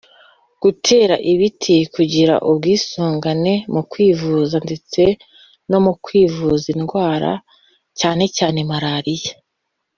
gutera ibiti kugira ubwisungane mu kwivuza ndetse no kwivuza indwara cyane cyane malariya